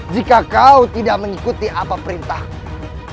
jika kau tidak mengikuti apa perintahmu